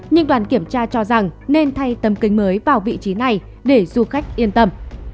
nhưng đoàn kiểm tra cho rằng nên thay tầm kinh mới vào vị trí này để du khách yên tâm